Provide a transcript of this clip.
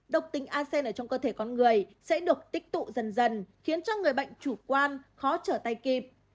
độc tính asean ở trong cơ thể con người sẽ được tích tụ dần dần khiến cho người bệnh chủ quan khó trở tay kịp